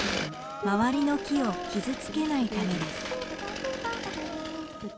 周りの木を傷つけないためです。